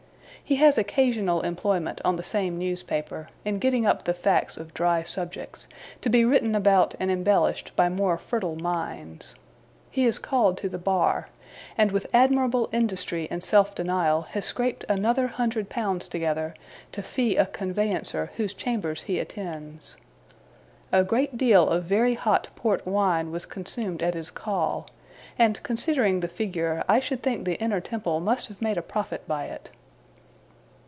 He has occasional employment on the same newspaper, in getting up the facts of dry subjects, to be written about and embellished by more fertile minds. He is called to the bar; and with admirable industry and self denial has scraped another hundred pounds together, to fee a Conveyancer whose chambers he attends. A great deal of very hot port wine was consumed at his call; and, considering the figure, I should think the Inner Temple must have made a profit by it.